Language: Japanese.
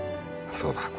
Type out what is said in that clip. そうだ